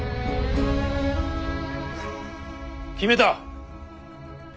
決めた。